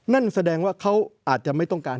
นั่นแสดงว่าเขาอาจจะไม่ต้องการ